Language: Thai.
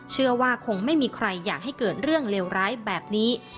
เชื่อว่าคงไม่มีใครอยากให้เกิดเรื่องเลวร้ายแบบนี้